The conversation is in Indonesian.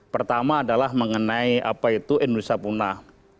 pertama adalah mengenai apa itu indonesia punah